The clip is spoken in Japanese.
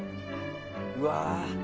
うわ！